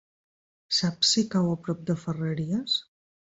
Saps si cau a prop de Ferreries?